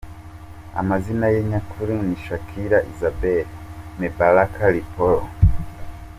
Amazina ye nyakuri ni Shakira Isabel Mebarak Ripoll.